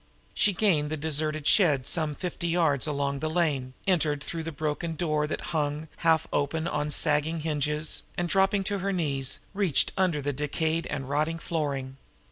She gained the deserted shed some fifty yards along the lane, entered through the broken door that hung, half open, on sagging hinges, and, dropping on her knees, reached in under the decayed and rotting flooring.